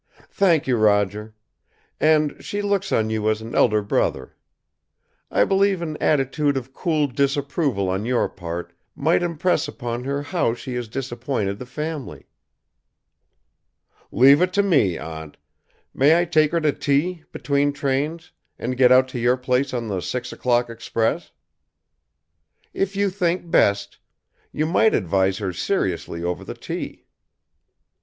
Thank you, Roger. And, she looks on you as an elder brother. I believe an attitude of cool disapproval on your part might impress upon her how she has disappointed the family." "Leave it to me, Aunt. May I take her to tea, between trains, and get out to your place on the six o'clock express?" "If you think best. You might advise her seriously over the tea."